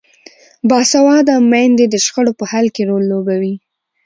باسواده میندې د شخړو په حل کې رول لوبوي.